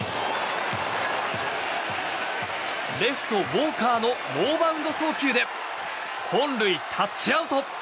レフト、ウォーカーのノーバウンド送球で本塁タッチアウト！